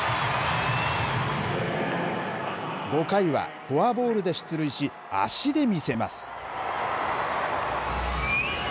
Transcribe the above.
５回はフォアボールで出塁し足で見せます。